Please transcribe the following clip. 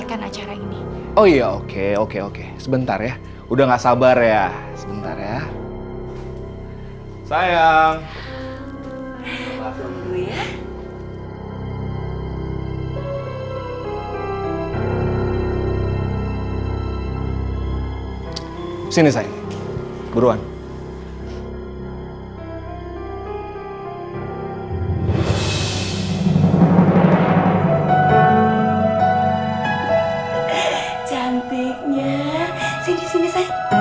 kamu dipaksa ya sampe harus